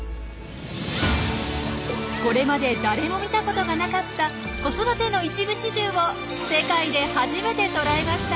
これまで誰も見たことがなかった子育ての一部始終を世界で初めて捉えました！